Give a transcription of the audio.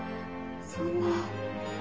そんな。